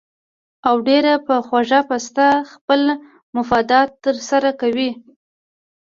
او ډېره پۀ خوږه پسته خپل مفادات تر سره کوي